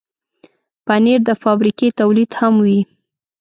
پنېر د فابریکې تولید هم وي.